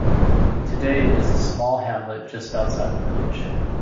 Today it is a small hamlet just outside the village.